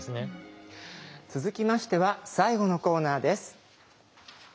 続きましては最後のコーナーです。